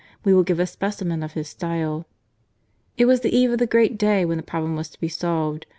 We will give a specimen of his style : It was the eve of the great day when the problem was to be solved.